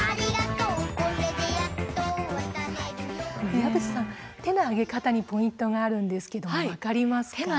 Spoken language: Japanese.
岩渕さん、手の上げ方にポイントがあるんですが分かりますか？